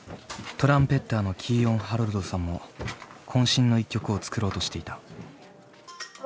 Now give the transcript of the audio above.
トランペッターのキーヨン・ハロルドさんもこん身の一曲を作ろうとしていた。